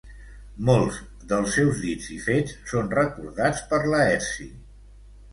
Molts dels seus dits i fets són recordats per Laerci.